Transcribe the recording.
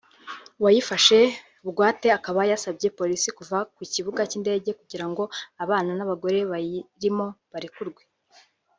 uwayifashe bugwate akaba yasabye polisi kuva ku kibuga cy’indege kugira ngo abana n’abagore bayirimo barekurwe